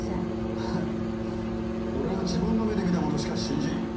フンッ俺は自分の目で見たものしか信じん。